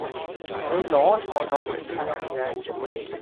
你攞錯咗邊支上去啫